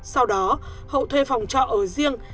sau đó hậu thuê phòng trọ ở riêng